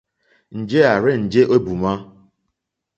Njɛ̂ à rzênjé èhwùmá.